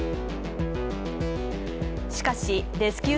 しかし、レスキュー